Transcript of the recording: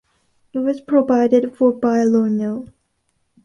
It was provided for by law no.